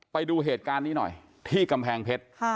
ไปดูเหตุการณ์นี้หน่อยที่กำแพงเพชร